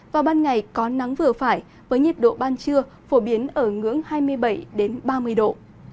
vào ban ngày có nắng vừa phải với nhiệt độ ban trưa phổ biến ở ngưỡng hai mươi bảy ba mươi độ